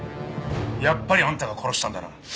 やっぱりあんたが殺したんだな。